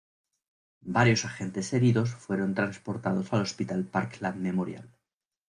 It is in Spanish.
Varios agentes heridos fueron transportados al hospital Parkland Memorial.